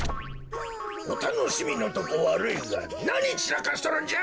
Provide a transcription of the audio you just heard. おたのしみのとこわるいがなにちらかしとるんじゃ！